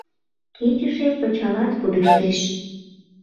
КЕЧЫШЕ ПЫЧАЛАТ ПУДЕШТЕШ